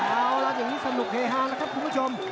เอาล่ะแบบนี้สนุกเฮอะฮานครับคุณผู้ชม